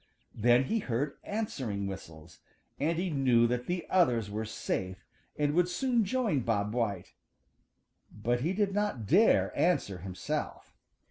Then he heard answering whistles, and he knew that the others were safe and would soon join Bob White. But he did not dare answer himself.